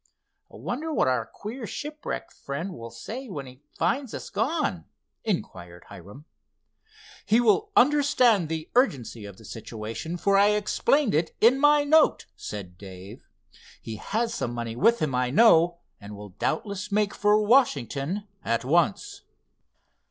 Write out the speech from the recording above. "Wonder what our queer shipwreck friend will say when he finds us gone?" inquired Hiram. "He will understand the urgency of the situation, for I explained it in my note," said Dave. "He has some money with him, I know, and will doubtless make for Washington at once."